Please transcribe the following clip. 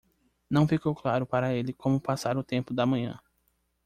Não ficou claro para ele como passar o tempo da manhã.